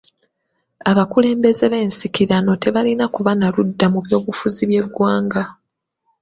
Abakulembeze b'ensikirano tebalina kuba na ludda mu by'obufuzi bw'eggwanga.